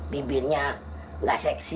bibirnya nggak seksi